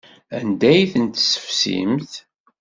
Anda ay tent-tessefsimt?